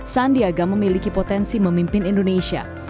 sandiaga memiliki potensi memimpin indonesia